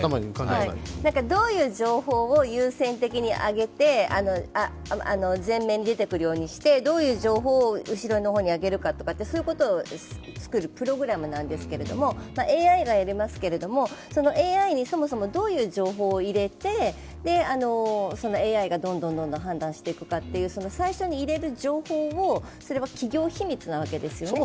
どういう情報を優先的に挙げて、前面に出てくるようにして、どういう情報を後ろの方に上げるかとかそういうことを作るプログラムなんですけれども、ＡＩがやりますけどＡＩにそもそもどういう情報を入れて、そのＡＩがどんどん判断していくかという最初に入れる情報を、それは企業秘密なわけですよね。